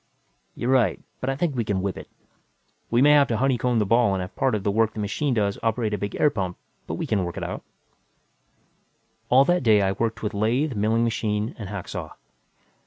"You're right, but I think we can whip it. We may have to honeycomb the ball and have part of the work the machine does operate a big hot air pump; but we can work it out." All that day, I worked with lathe, milling machine and hacksaw.